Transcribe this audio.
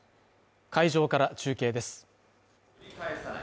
会場から中継です。